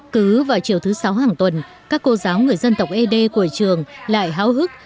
cứ vào chiều thứ sáu hàng tuần các cô giáo người dân tộc ế đê của trường lại háo hức